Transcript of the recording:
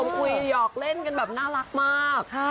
คุยหยอกเล่นกันแบบน่ารักมาก